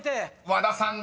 和田！